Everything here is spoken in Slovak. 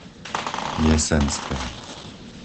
Jesenské